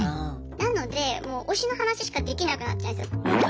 なのでもう推しの話しかできなくなっちゃうんですよ。